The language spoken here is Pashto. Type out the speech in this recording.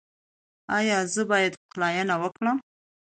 ایا زه باید پخلاینه وکړم؟